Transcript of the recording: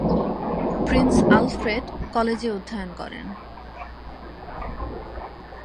Prince Alfred কলেজে অধ্যয়ন করেন।